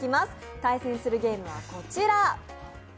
対戦するゲームはこちら。